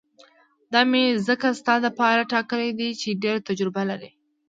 دا مې ځکه ستا دپاره ټاکلې ده چې ډېره تجربه لري.